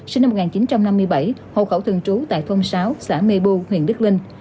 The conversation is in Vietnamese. sinh năm một nghìn chín trăm năm mươi bảy hộ khẩu thường trú tại thôn sáu xã mê bu huyện đức linh